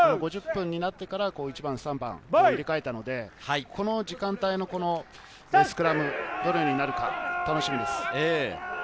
５０分になってから１番と３番を入れ替えたので、この時間帯のスクラム、どのようになるか楽しみです。